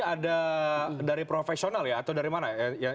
ada dari profesional ya atau dari mana ya